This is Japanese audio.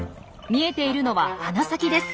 見えているのは鼻先です。